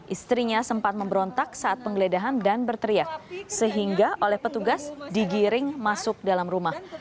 istrinya sempat memberontak saat penggeledahan dan berteriak sehingga oleh petugas digiring masuk dalam rumah